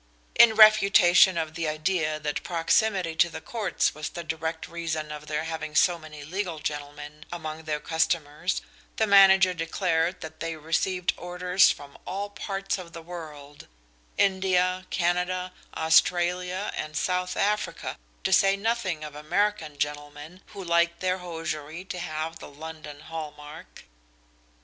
In refutation of the idea that proximity to the Courts was the direct reason of their having so many legal gentlemen among their customers the manager declared that they received orders from all parts of the world India, Canada, Australia, and South Africa, to say nothing of American gentlemen who liked their hosiery to have the London hall mark.